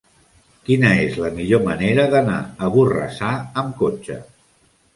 Quina és la millor manera d'anar a Borrassà amb cotxe?